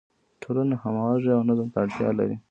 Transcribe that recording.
ټولنه همغږي او نظم ته اړتیا لري.